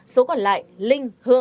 số còn lại linh